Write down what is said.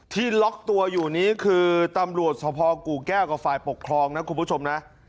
ที่ล็อกตัวอยู่นี้คือตำรวจสภกูแก้วกับฝ่ายปกครองนะคุณผู้ชมนะ